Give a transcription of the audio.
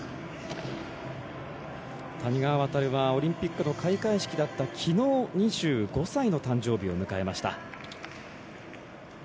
谷川航はオリンピックの開会式だったきのう、２５歳の誕生日を迎えました。